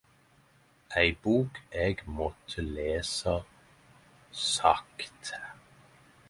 Ei bok eg måtte lese sakte.